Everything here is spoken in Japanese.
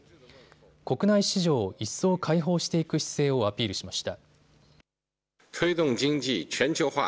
国内市場を一層開放していく姿勢をアピールしました。